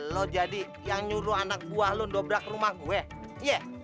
lo jadi yang nyuruh anak buah lo dobrak rumah gue